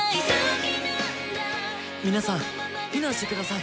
皆さん避難してください。